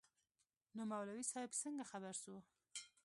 نو مولوي صاحب څنگه خبر سو.